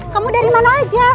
kamu dari mana aja